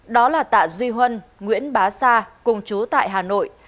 đó là tạ duy huân nguyễn bá sa cùng chú tại hà nội